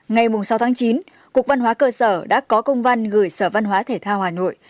ngày sáu chín cục văn hóa cơ sở đã có công văn gửi sở văn hóa thể thao hà nội